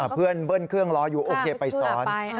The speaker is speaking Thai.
เบิ้ลเครื่องรออยู่โอเคไปซ้อน